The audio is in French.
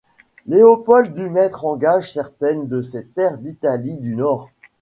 Léopold dut mettre en gage certaines de ses terres d'Italie du Nord.